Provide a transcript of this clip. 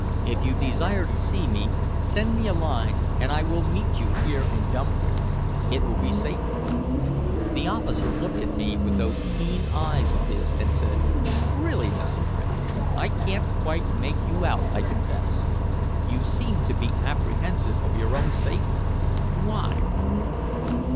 "If you desire to see me, send me a line and I will meet you here in Dumfries. It will be safer." The officer looked at me with those keen eyes of his, and said: "Really, Mr. Gregg, I can't quite make you out, I confess. You seem to be apprehensive of your own safety. Why?"